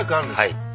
はい。